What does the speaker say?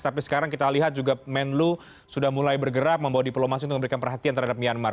tapi sekarang kita lihat juga menlu sudah mulai bergerak membawa diplomasi untuk memberikan perhatian terhadap myanmar